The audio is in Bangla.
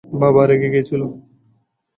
বাবা রেগে গিয়েছিল।